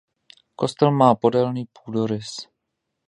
Kostel má podélný půdorys.